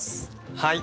はい。